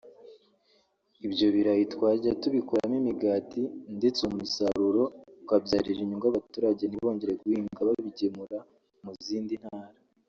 ibyo birayi twajya tubikoramo imigati ndetse uwo musaruro ukabyarira inyungu abaturage ntibongere guhinga babigemura mu zindi Ntara